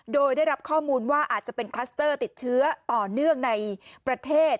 โดยได้รับข้อมูลว่าอาจจะเป็นคลัสเตอร์ติดเชื้อต่อเนื่องในประเทศ